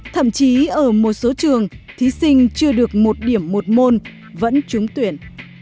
thậm chí ở một số trường thí sinh chưa được một điểm một môn vẫn trúng tuyển